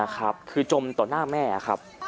คือจมต่อหน้าแม่ครับ